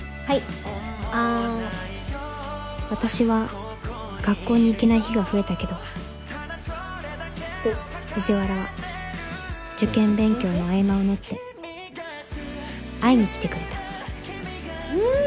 私は学校に行けない日が増えたけど藤原は受験勉強の合間を縫って会いに来てくれたうん！